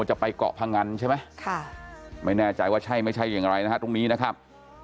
จะไปเกาะพงันใช่ไหมค่ะไม่แน่ใจว่าใช่ไม่ใช่อย่างไรนะฮะตรงนี้นะครับ